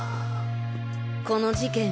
この事件